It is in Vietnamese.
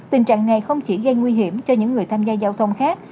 tình trạng này không chỉ gây nguy hiểm cho những người tham gia giao thông khác